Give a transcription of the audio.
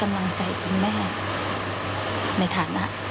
แต่ว่าก็อยากให้คุณแม่ตั้งสติ